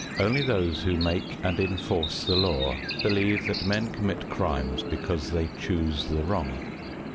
Only those who make and enforce the law believe that men commit crimes because they choose the wrong.